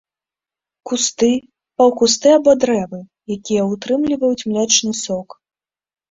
Кусты, паўкусты або дрэвы, якія ўтрымліваюць млечны сок.